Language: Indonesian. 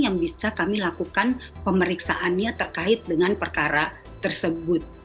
yang bisa kami lakukan pemeriksaannya terkait dengan perkara tersebut